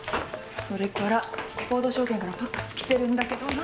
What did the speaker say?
それからフォード証券からファクス来てるんだけどな。